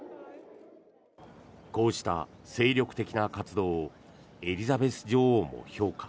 こうした精力的な活動をエリザベス女王も評価。